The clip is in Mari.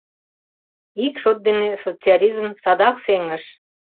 — Ик шот дене социализм садак сеҥыш!